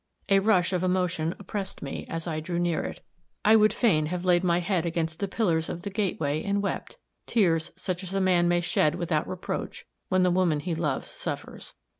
A rush of emotion oppressed me, as I drew near it; I would fain have laid my head against the pillars of the gateway and wept tears such as a man may shed without reproach, when the woman he loves suffers.